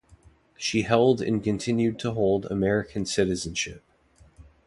She held and continued to hold American citizenship.